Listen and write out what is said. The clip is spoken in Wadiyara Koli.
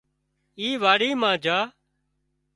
اي واڙِي مان جھا